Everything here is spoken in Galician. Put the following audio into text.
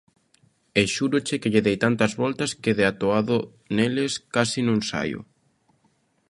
E xúroche que lle dei tantas voltas que, de atoado neles, case non saio.